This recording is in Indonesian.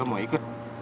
hah ga mau ikut